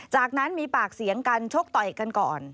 จากนั้นมีปากเสียงกันชกต่อยกันก่อน